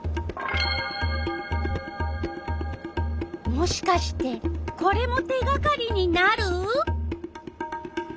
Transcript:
もしかしてこれも手がかりになる？